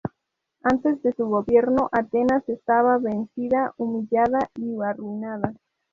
Antes de su gobierno, Atenas estaba vencida, humillada y arruinada.